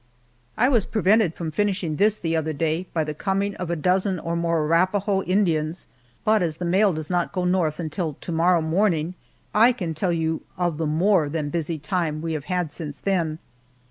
I was prevented from finishing this the other day by the coming of a dozen or more Arapahoe Indians, but as the mail does not go north until to morrow morning, I can tell you of the more than busy time we have had since then.